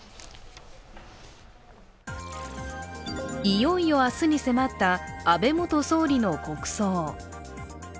いよいよ明日に迫った安倍元総理の国葬。